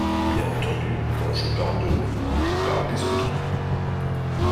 Bien entendu, quand je parle de nous, je parle des autres.